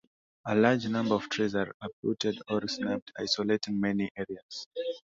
A large number of trees are uprooted or snapped, isolating many areas.